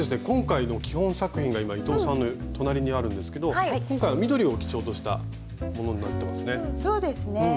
今回の基本作品が今伊藤さんの隣にあるんですけど今回は緑を基調としたものになってますね。